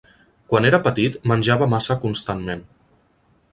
Quan era petit, menjava massa constantment.